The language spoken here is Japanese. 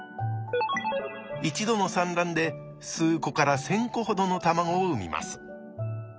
一度の産卵で数個から千個ほどの卵を産みます。